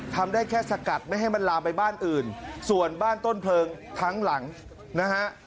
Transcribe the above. ทำได้แค่สกัดไม่ให้มันลามไปบ้านอื่นส่วนบ้านต้นเพลิงทั้งหลังนะฮะ